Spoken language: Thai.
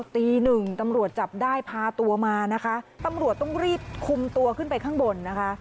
ตีหนึ่งตำรวจจับได้พาตัวมานะคะตำรวจต้องรีบคุมตัวขึ้นไปข้างบนนะคะ